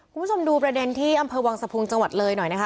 คุณผู้ชมดูประเด็นที่อำเภอวังสะพุงจังหวัดเลยหน่อยนะคะ